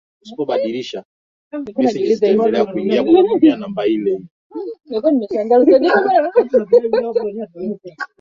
Kumekuwa na mitazamo tofauti kuhusiana na Idi Amin baadhi ya watu wakiamini kuwa ukatili